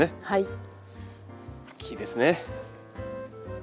はい。